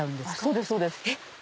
そうですそうです。